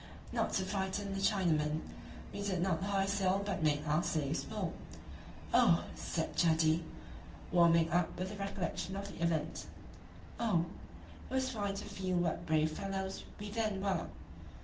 Not to frighten the Chinamen, we did not hoist sail but made our slaves pull. "Oh!" said Jadee, warming up with the recollection of the event "oh! it was fine to feel what brave fellows we then were!"